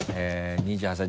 ２８歳。